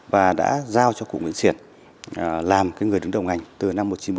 và đã giao cho cụ nguyễn xiển làm người đứng đầu ngành từ năm một nghìn chín trăm bốn mươi